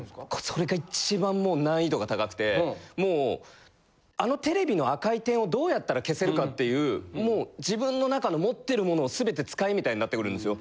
それが一番難易度が高くてもうあのテレビの赤い点をどうやったら消せるかっていうもう自分の中の持ってる物を全て使えみたいになってくるんですよ。